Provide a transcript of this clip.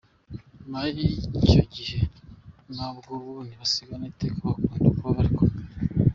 Nyuma y’icyo gihe nabwo, ubu ntibasigana iteka bakunda kuba bari kumwe.